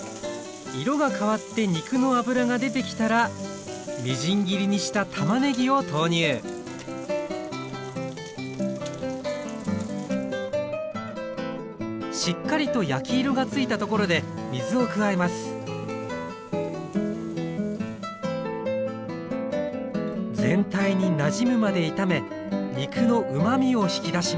色が変わって肉の脂が出てきたらみじん切りにしたたまねぎを投入しっかりと焼き色がついたところで水を加えます全体になじむまで炒め肉のうまみを引き出します